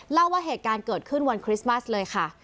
เล่าว่าเหตุการณ์เกิดขึ้นวันคริสต์มัสเลยค่ะ